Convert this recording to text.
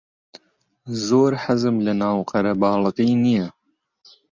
زۆر حەزم لەناو قەرەباڵغی نییە.